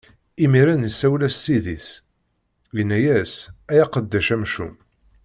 Imiren isawel-as ssid-is, inna-as: Ay aqeddac amcum!